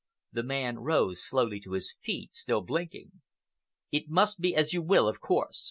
The man rose slowly to his feet, still blinking. "It must be as you will, of course.